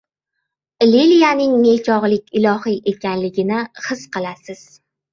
Liliyaning nechog‘lik ilohiy ekanligini his qilasiz.